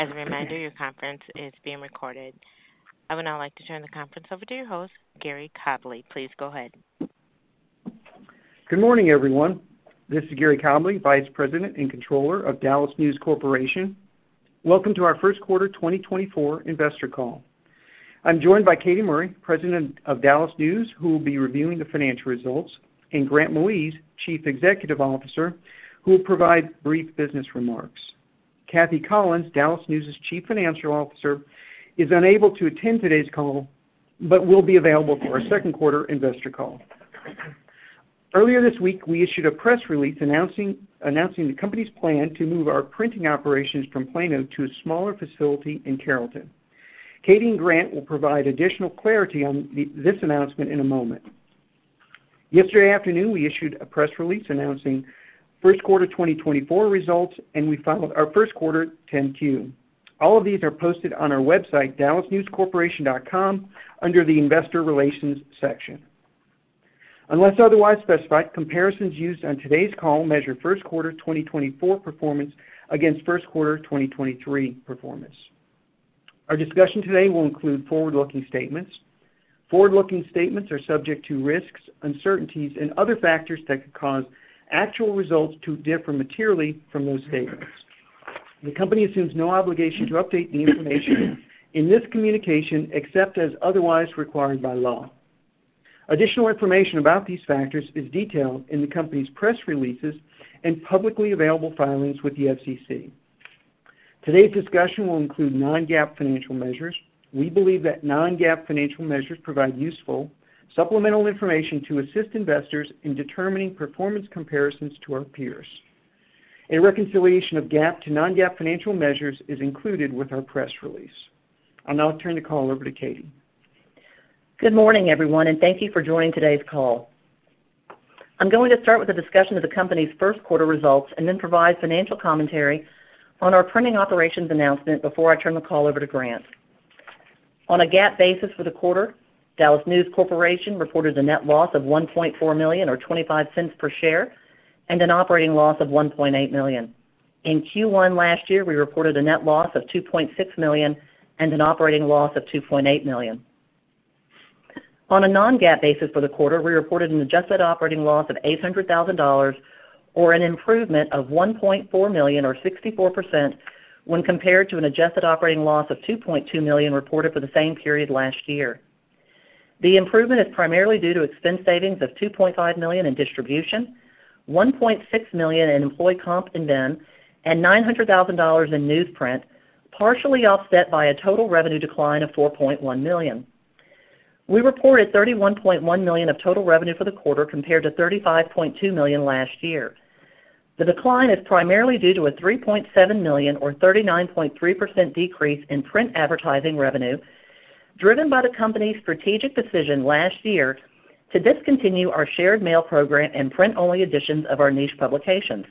As a reminder, your conference is being recorded. I would now like to turn the conference over to your host, Gary Cobleigh. Please go ahead. Good morning, everyone. This is Gary Cobleigh, Vice President and Controller of DallasNews Corporation. Welcome to our first quarter 2024 investor call. I'm joined by Katy Murray, President of DallasNews, who will be reviewing the financial results, and Grant Moise, Chief Executive Officer, who will provide brief business remarks. Cathy Collins, DallasNews's Chief Financial Officer, is unable to attend today's call, but will be available for our second quarter investor call. Earlier this week, we issued a press release announcing the company's plan to move our printing operations from Plano to a smaller facility in Carrollton. Katy and Grant will provide additional clarity on this announcement in a moment. Yesterday afternoon, we issued a press release announcing first quarter 2024 results, and we filed our first quarter 10-Q. All of these are posted on our website, dallasnewscorporation.com, under the Investor Relations section. Unless otherwise specified, comparisons used on today's call measure first quarter 2024 performance against first quarter 2023 performance. Our discussion today will include forward-looking statements. Forward-looking statements are subject to risks, uncertainties, and other factors that could cause actual results to differ materially from those statements. The company assumes no obligation to update the information in this communication, except as otherwise required by law. Additional information about these factors is detailed in the company's press releases and publicly available filings with the SEC. Today's discussion will include non-GAAP financial measures. We believe that non-GAAP financial measures provide useful supplemental information to assist investors in determining performance comparisons to our peers. A reconciliation of GAAP to non-GAAP financial measures is included with our press release. I'll now turn the call over to Katy. Good morning, everyone, and thank you for joining today's call. I'm going to start with a discussion of the company's first quarter results and then provide financial commentary on our printing operations announcement before I turn the call over to Grant. On a GAAP basis for the quarter, DallasNews Corporation reported a net loss of $1.4 million, or $0.25 per share, and an operating loss of $1.8 million. In Q1 last year, we reported a net loss of $2.6 million and an operating loss of $2.8 million. On a non-GAAP basis for the quarter, we reported an adjusted operating loss of $800,000, or an improvement of $1.4 million, or 64%, when compared to an adjusted operating loss of $2.2 million reported for the same period last year. The improvement is primarily due to expense savings of $2.5 million in distribution, $1.6 million in employee comp and ben, and $900,000 in newsprint, partially offset by a total revenue decline of $4.1 million. We reported $31.1 million of total revenue for the quarter, compared to $35.2 million last year. The decline is primarily due to a $3.7 million, or 39.3%, decrease in print advertising revenue, driven by the company's strategic decision last year to discontinue our shared mail program and print-only editions of our niche publications.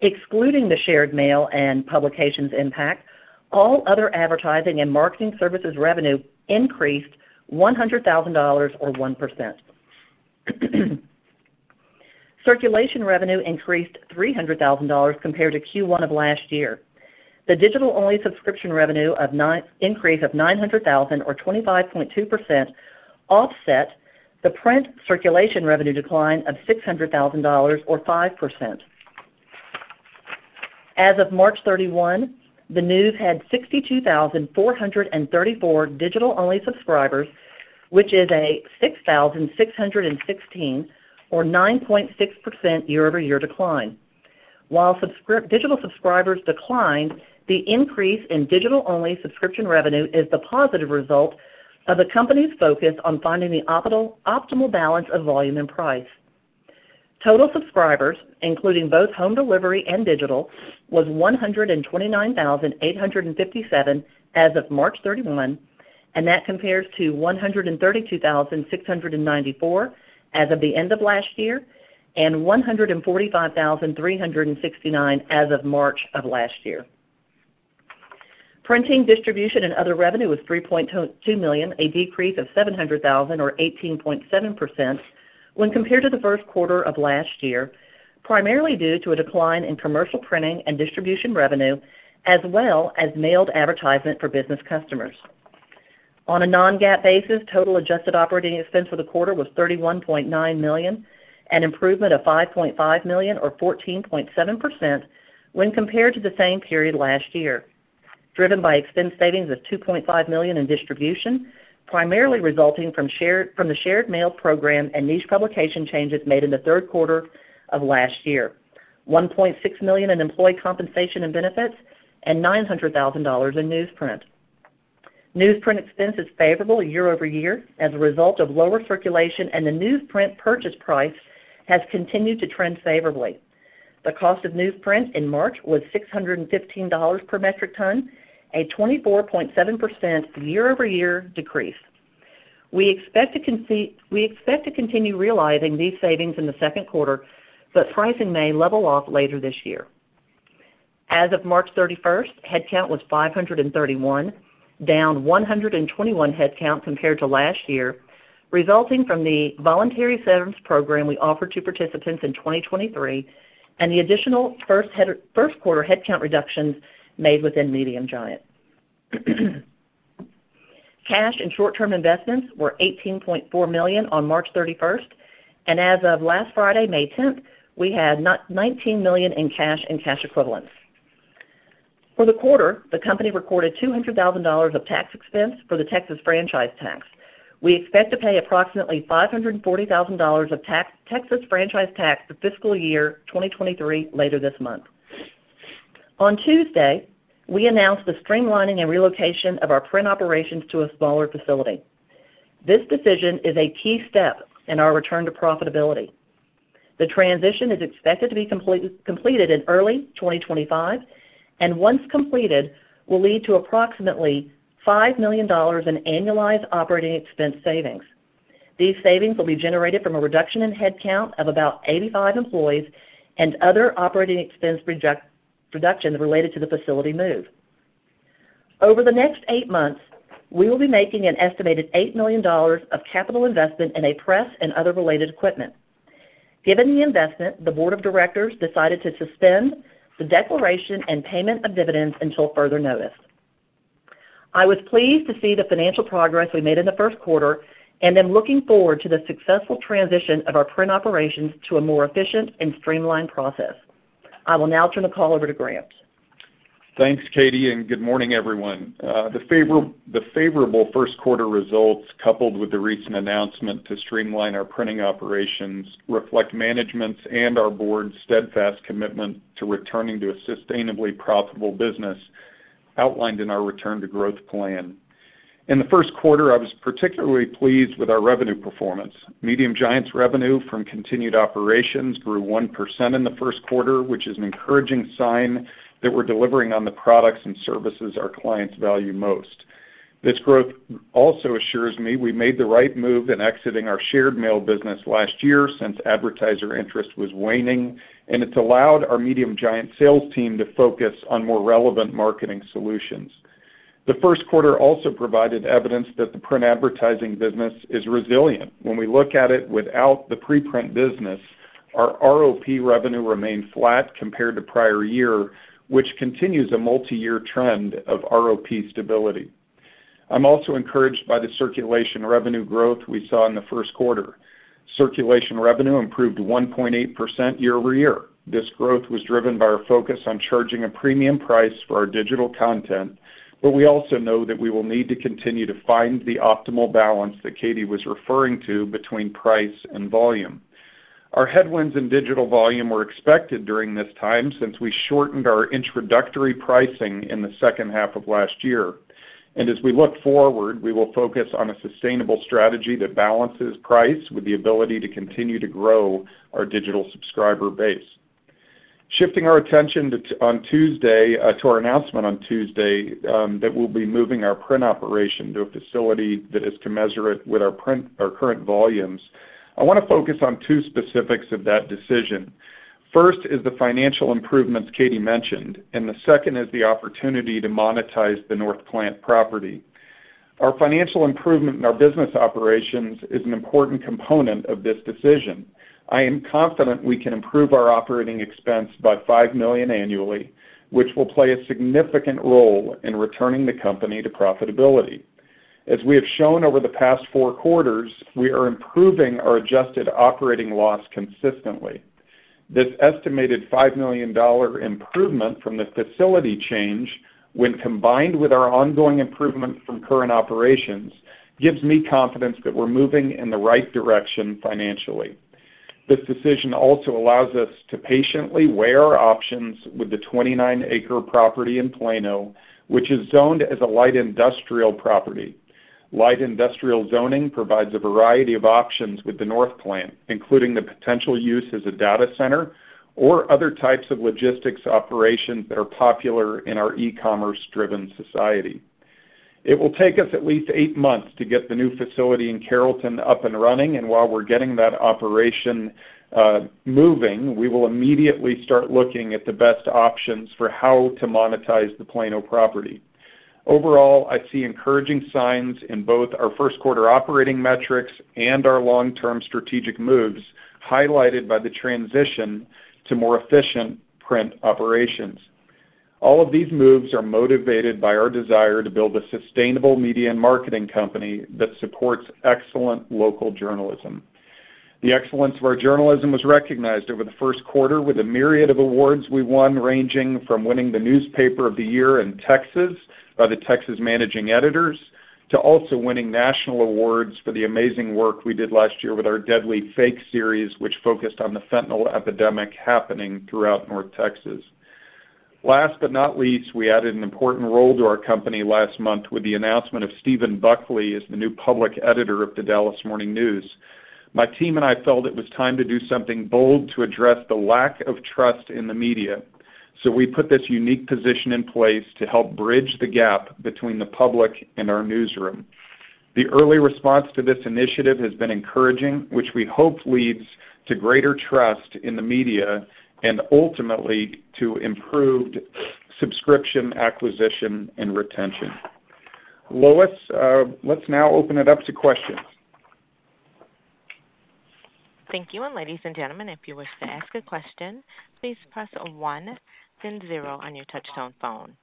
Excluding the shared mail and publications impact, all other advertising and marketing services revenue increased $100,000, or 1%. Circulation revenue increased $300,000 compared to Q1 of last year. The digital-only subscription revenue increase of $900,000 or 25.2%, offset the print circulation revenue decline of $600,000, or 5%. As of March 31, The News had 62,434 digital-only subscribers, which is a 6,616, or 9.6%, year-over-year decline. While digital subscribers declined, the increase in digital-only subscription revenue is the positive result of the company's focus on finding the optimal balance of volume and price. Total subscribers, including both home delivery and digital, was 129,857 as of March 31, and that compares to 132,694 as of the end of last year, and 145,369 as of March of last year. Printing, distribution, and other revenue was $3.22 million, a decrease of $700,000 or 18.7% when compared to the first quarter of last year, primarily due to a decline in commercial printing and distribution revenue, as well as mailed advertisement for business customers. On a non-GAAP basis, total adjusted operating expense for the quarter was $31.9 million, an improvement of $5.5 million, or 14.7%, when compared to the same period last year, driven by expense savings of $2.5 million in distribution, primarily resulting from the shared mail program and niche publication changes made in the third quarter of last year. $1.6 million in employee compensation and benefits and $900,000 in newsprint. Newsprint expense is favorable year over year as a result of lower circulation, and the newsprint purchase price has continued to trend favorably. The cost of newsprint in March was $615 per metric ton, a 24.7% year-over-year decrease. We expect to continue realizing these savings in the second quarter, but pricing may level off later this year. As of March 31, headcount was 531, down 121 headcount compared to last year, resulting from the voluntary severance program we offered to participants in 2023 and the additional first-quarter headcount reductions made within Medium Giant. Cash and short-term investments were $18.4 million on March 31, and as of last Friday, May 10, we had now $19 million in cash and cash equivalents. For the quarter, the company recorded $200,000 of tax expense for the Texas franchise tax. We expect to pay approximately $540,000 of Texas franchise tax for fiscal year 2023 later this month. On Tuesday, we announced the streamlining and relocation of our print operations to a smaller facility. This decision is a key step in our return to profitability. The transition is expected to be completed in early 2025, and once completed, will lead to approximately $5 million in annualized operating expense savings. These savings will be generated from a reduction in headcount of about 85 employees and other operating expense reduction related to the facility move. Over the next eight months, we will be making an estimated $8 million of capital investment in a press and other related equipment. Given the investment, the board of directors decided to suspend the declaration and payment of dividends until further notice. I was pleased to see the financial progress we made in the first quarter, and am looking forward to the successful transition of our print operations to a more efficient and streamlined process. I will now turn the call over to Grant. Thanks, Katy, and good morning, everyone. The favorable first quarter results, coupled with the recent announcement to streamline our printing operations, reflect management's and our board's steadfast commitment to returning to a sustainably profitable business outlined in our return to growth plan. In the first quarter, I was particularly pleased with our revenue performance. Medium Giant's revenue from continued operations grew 1% in the first quarter, which is an encouraging sign that we're delivering on the products and services our clients value most. This growth also assures me we made the right move in exiting our shared mail business last year, since advertiser interest was waning, and it's allowed our Medium Giant sales team to focus on more relevant marketing solutions. The first quarter also provided evidence that the print advertising business is resilient. When we look at it without the preprint business, our ROP revenue remained flat compared to prior year, which continues a multiyear trend of ROP stability. I'm also encouraged by the circulation revenue growth we saw in the first quarter. Circulation revenue improved 1.8% year-over-year. This growth was driven by our focus on charging a premium price for our digital content, but we also know that we will need to continue to find the optimal balance that Katy was referring to between price and volume. Our headwinds in digital volume were expected during this time, since we shortened our introductory pricing in the second half of last year. As we look forward, we will focus on a sustainable strategy that balances price with the ability to continue to grow our digital subscriber base. Shifting our attention to our announcement on Tuesday that we'll be moving our print operation to a facility that is commensurate with our current volumes. I wanna focus on two specifics of that decision. First is the financial improvements Katy mentioned, and the second is the opportunity to monetize the North Plant property. Our financial improvement in our business operations is an important component of this decision. I am confident we can improve our operating expense by $5 million annually, which will play a significant role in returning the company to profitability. As we have shown over the past four quarters, we are improving our adjusted operating loss consistently. This estimated $5 million improvement from the facility change, when combined with our ongoing improvement from current operations, gives me confidence that we're moving in the right direction financially. This decision also allows us to patiently weigh our options with the 29-acre property in Plano, which is zoned as a light industrial property. Light industrial zoning provides a variety of options with the North Plant, including the potential use as a data center or other types of logistics operations that are popular in our e-commerce driven society. It will take us at least eight months to get the new facility in Carrollton up and running, and while we're getting that operation moving, we will immediately start looking at the best options for how to monetize the Plano property. Overall, I see encouraging signs in both our first quarter operating metrics and our long-term strategic moves, highlighted by the transition to more efficient print operations. All of these moves are motivated by our desire to build a sustainable media and marketing company that supports excellent local journalism. The excellence of our journalism was recognized over the first quarter with a myriad of awards we won, ranging from winning the Newspaper of the Year in Texas by the Texas Managing Editors, to also winning national awards for the amazing work we did last year with our Deadly Fakes series, which focused on the fentanyl epidemic happening throughout North Texas. Last but not least, we added an important role to our company last month with the announcement of Stephen Buckley as the new public editor of The Dallas Morning News. My team and I felt it was time to do something bold to address the lack of trust in the media, so we put this unique position in place to help bridge the gap between the public and our newsroom. The early response to this initiative has been encouraging, which we hope leads to greater trust in the media and ultimately to improved subscription, acquisition, and retention. Lois, let's now open it up to questions. Thank you. And ladies and gentlemen, if you wish to ask a question, please press a one, then zero on your touchtone phone.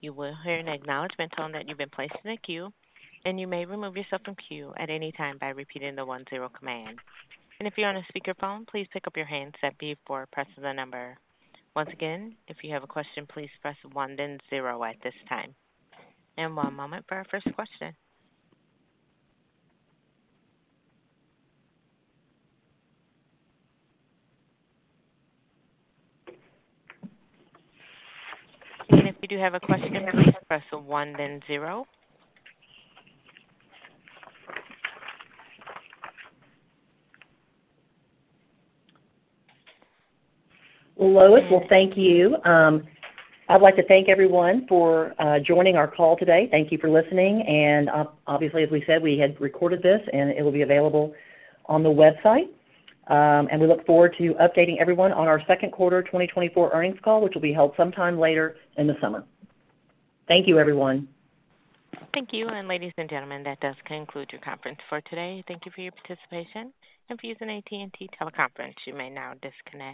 You will hear an acknowledgment tone that you've been placed in a queue, and you may remove yourself from queue at any time by repeating the one-zero command. And if you're on a speakerphone, please pick up your handset before pressing the number. Once again, if you have a question, please press one, then zero at this time. And one moment for our first question. And if you do have a question, please press one, then zero. Lois, well, thank you. I'd like to thank everyone for joining our call today. Thank you for listening, and obviously, as we said, we had recorded this, and it will be available on the website. And we look forward to updating everyone on our second quarter 2024 earnings call, which will be held sometime later in the summer. Thank you, everyone. Thank you. Ladies and gentlemen, that does conclude your conference for today. Thank you for your participation. If you use an AT&T teleconference, you may now disconnect.